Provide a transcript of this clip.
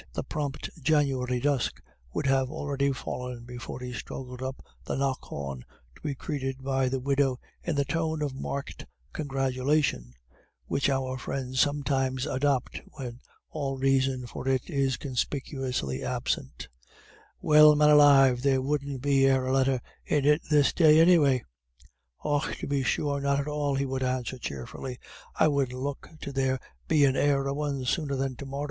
The prompt January dusk would have already fallen before he struggled up the Knockawn, to be greeted by the widow in the tone of marked congratulation which our friends sometimes adopt when all reason for it is conspicuously absent: "Well, man alive, there wouldn't be ere a letter in it this day anyway." "Och tub be sure, not at all," he would answer cheerfully, "I wouldn't look to there bein' e'er a one sooner than to morra.